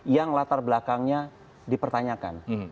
yang latar belakangnya dipertanyakan